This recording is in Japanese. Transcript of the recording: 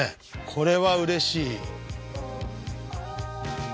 これはうれしい。